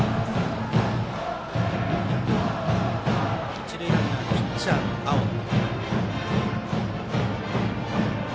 一塁ランナー、ピッチャーの青野。